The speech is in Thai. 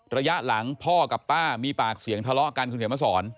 ระยะหลังพ่อกับป้ามีปากเสียงทะเลาะกันคุณเขียนมาสอน